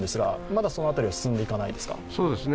まだその辺りは進んでいかないですか？